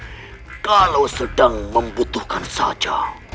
jika kau sedang membutuhkannya